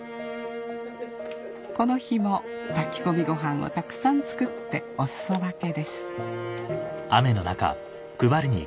この日も炊き込みご飯をたくさん作ってお裾分けですありがとうございます。